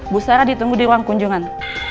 bu sarah ditunggu di ruang kunjungan